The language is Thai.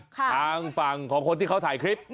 ทางฝั่งของคนที่เขาถ่ายคลิป